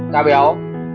chín đa béo